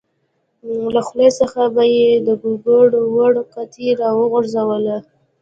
له خولې څخه به یې د ګوګړو وړه قطۍ راوغورځوله.